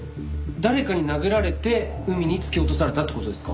誰かに殴られて海に突き落とされたって事ですか？